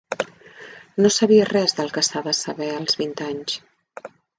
No sabia res del que s'ha de saber als vint anys